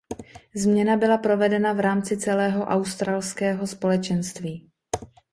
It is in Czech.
Změna byla provedena v rámci celého Australského společenství.